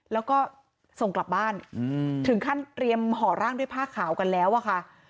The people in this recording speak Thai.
แล้วก็ส่งกลับบ้านถึงขั้นเตรียมห่อร่างด้วยผ้าขาวกันแล้วอะค่ะ